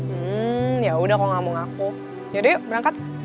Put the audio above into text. hmm yaudah kalau gak mau ngaku jadi yuk berangkat